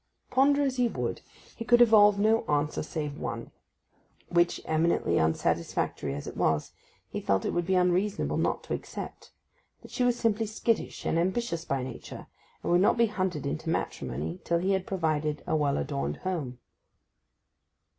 Ponder as he would he could evolve no answer save one, which, eminently unsatisfactory as it was, he felt it would be unreasonable not to accept: that she was simply skittish and ambitious by nature, and would not be hunted into matrimony till he had provided a well adorned home.